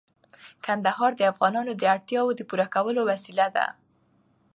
کندهار د افغانانو د اړتیاوو د پوره کولو وسیله ده.